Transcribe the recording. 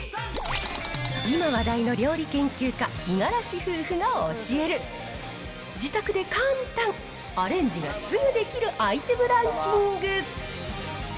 今話題の料理研究家、五十嵐夫婦が教える、自宅で簡単、アレンジがすぐできるアイテムランキング。